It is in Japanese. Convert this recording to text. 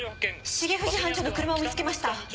重藤班長の車を見つけました。